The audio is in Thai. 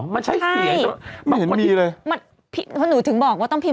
มันใช้เสียใช่ไม่เห็นมีเลยมันพี่เพราะหนูถึงบอกว่าต้องพิมพ์